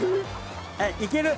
はいいける！